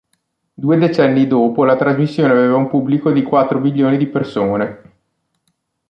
Due decenni dopo, la trasmissione aveva un pubblico di quattro milioni di persone.